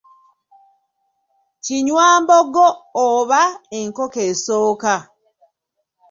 Kinywambogo oba enkoko esooka.